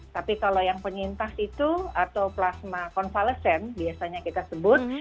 tapi kalau yang penyintas itu atau plasma konvalesen biasanya kita sebut